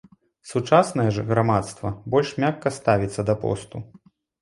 Сучаснае ж грамадства больш мякка ставіцца да посту.